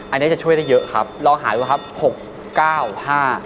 อันนี้จะช่วยได้เยอะครับลองหาดูครับหกเก้าห้า